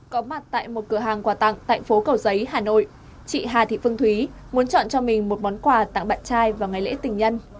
có mặt tại một cửa hàng quà tặng tại phố cầu giấy hà nội chị hà thị phương thúy muốn chọn cho mình một món quà tặng bạn trai vào ngày lễ tình nhân